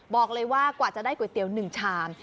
บอกเลยว่ากว่าจะได้ก๋วยเตี๋ยวหนึ่งชาม